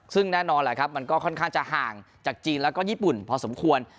ซึ่งแน่นอนแหละครับมันก็ค่อนข้างจะห่างจากจีนแล้วก็ญี่ปุ่นพอสมควร